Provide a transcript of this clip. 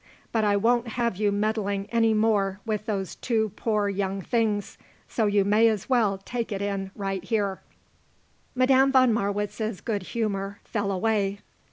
But I won't have you meddling any more with those two poor young things, so you may as well take it in right here." Madame von Marwitz's good humour fell away.